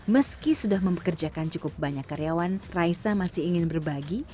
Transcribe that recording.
meski sudah mempekerjakan cukup banyak karyawan raisa masih ingin berbagi